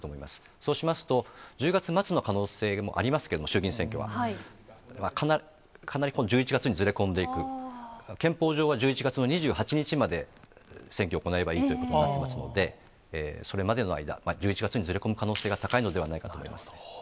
そうしますと、１０月末の可能性もありますけれども、衆議院選挙は、かなり１１月にずれ込んでいく、憲法上は１１月の２８日まで、選挙を行えばいいということになっていますので、それまでの間、１１月にずれ込む可能性が高いのではないかと思います。